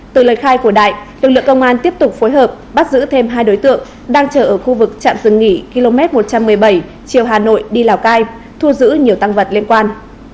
từ lời khai của đại lực lượng công an tiếp tục phối hợp bắt giữ thêm hai đối tượng đang chờ ở khu vực trạm dừng nghỉ km một trăm một mươi bảy chiều hà nội đi lào cai thu giữ nhiều tăng vật liên quan